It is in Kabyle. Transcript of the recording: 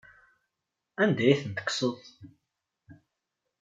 Anda ay ten-tekkseḍ?